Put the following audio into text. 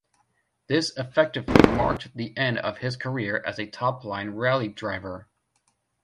This effectively marked the end of his career as a top-line rally driver.